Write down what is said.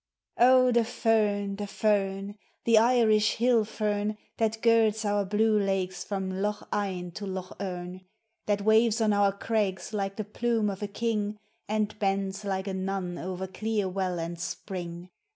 Oh, the fern, the fern, the Irish hill fern, That girds our blue lakes from Lough Ine to Lough Erne, That waves on our crags like the plume of a king, And bends like a nun over clear well and spring.